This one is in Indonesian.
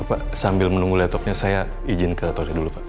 pak sambil menunggu laptopnya saya izin ke tokyo dulu pak